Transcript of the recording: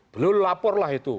belum laporlah itu